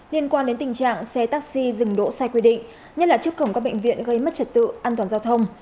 liên quan đến tình trạng xe taxi dừng đỗ sai quy định nhất là trước cổng các bệnh viện gây mất trật tự an toàn giao thông